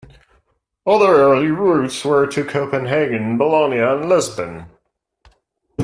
Other early routes were to Copenhagen, Bologna and Lisbon.